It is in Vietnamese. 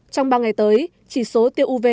trong ba ngày tới chỉ số tiêu uv